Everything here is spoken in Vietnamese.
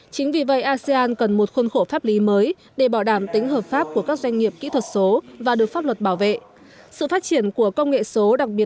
chính vì vậy asean đã đưa tới một cuộc cách mạng về thể chế hơn là về công nghệ